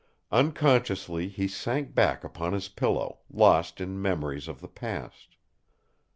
Unconsciously he sank back upon his pillow, lost in memories of the past.